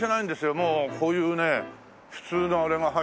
もうこういうね普通のあれが入って。